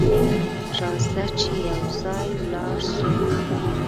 راځه چې یو ځای ولاړ سو!